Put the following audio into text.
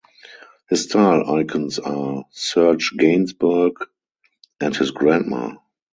His style icons are Serge Gainsbourg and his grandma.